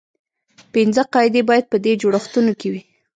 پنځه قاعدې باید په دې جوړښتونو کې وي.